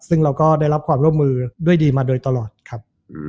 ซึ่งเราก็ได้รับความร่วมมือด้วยดีมาโดยตลอดครับ